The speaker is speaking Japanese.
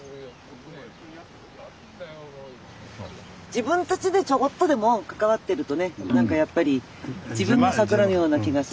自分たちでちょこっとでも関わってるとねなんかやっぱり自分の桜のような気がする。